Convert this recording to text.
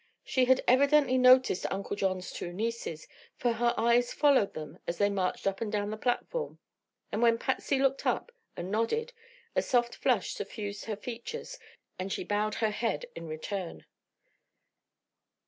She had evidently noticed Uncle John's two nieces, for her eyes followed them as they marched up and down the platform and when Patsy looked up and nodded, a soft flush suffused her features and she bowed her head in return.